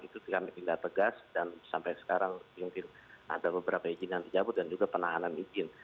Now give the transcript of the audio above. itu kami tindak tegas dan sampai sekarang mungkin ada beberapa izin yang dicabut dan juga penahanan izin